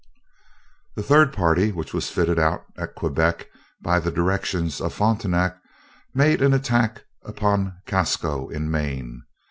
The third party, which was fitted out at Quebec by the directions of Frontenac, made an attack upon Casco, in Maine.